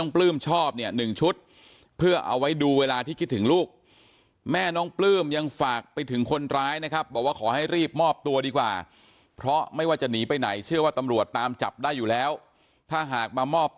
เพื่อเอาไว้ดูเวลาที่คิดถึงลูก